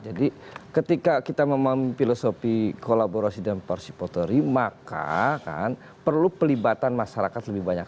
jadi ketika kita memiliki filosofi kolaborasi dan parsipatori maka kan perlu pelibatan masyarakat lebih banyak